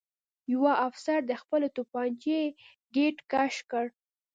یوه افسر د خپلې توپانچې ګېټ کش کړ